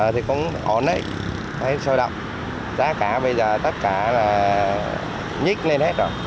thì cũng ổn đấy hết sôi động giá cả bây giờ tất cả là nhích lên hết rồi